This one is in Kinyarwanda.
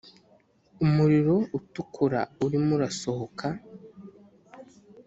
umuriro utukura urimo urasohoka